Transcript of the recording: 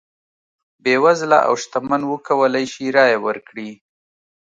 بېوزله او شتمن وکولای شي رایه ورکړي.